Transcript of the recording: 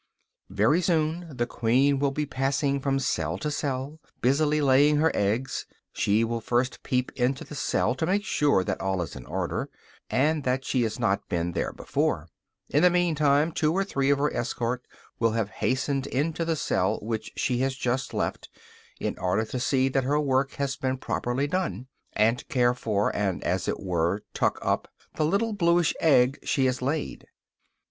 Very soon the queen will be passing from cell to cell, busily laying her eggs. She will first peep into the cell to make sure that all is in order, and that she has not been there before. In the meanwhile two or three of her escort will have hastened into the cell which she has just left, in order to see that her work has been properly done, and to care for, and as it were tuck up, the little bluish egg she has laid.